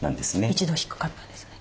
１度低かったんですね。